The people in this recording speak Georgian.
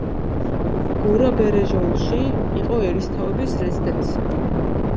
გორაბერეჟოულში იყო ერისთავების რეზიდენცია.